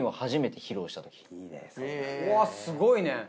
うわっすごいね！